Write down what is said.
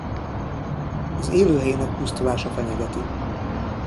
Az élőhelyének pusztulása fenyegeti.